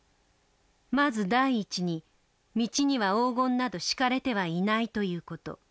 まず第１に道には黄金など敷かれてはいないという事。